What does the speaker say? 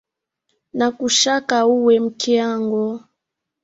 Nakuchaka uwe mke angu.